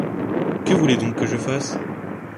Que voulez-vous donc que je fasse ?